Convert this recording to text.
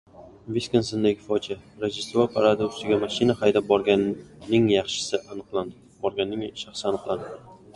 Viskonsindagi fojia: Rojdestvo paradi ustiga mashina haydab borganning shaxsi aniqlandi